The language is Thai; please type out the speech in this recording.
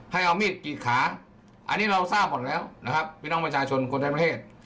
ให้เอามีดกรีดขาอันนี้เราทราบก่อนแล้วนะครับพี่น้องประชาชนคนไทยทั้งประเทศ